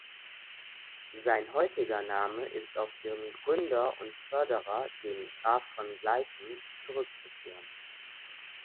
Sein heutiger Name ist auf ihren Gründer und Förderer den Graf von Gleichen zurückzuführen.